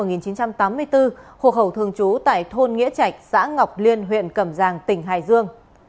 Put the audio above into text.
đối tượng trần thị thắm sinh năm một nghìn chín trăm tám mươi bốn hộ khẩu thường trú tại thôn nghĩa trạch xã ngọc liên huyện cầm giang tỉnh hải dương